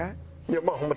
まあホンマ